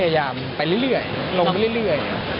ก็พยายามไปเรื่อยเรื่อยลงไปเรื่อยเรื่อย